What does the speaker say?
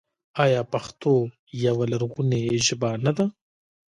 آیا پښتو یوه لرغونې ژبه نه ده؟